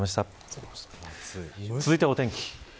続いてはお天気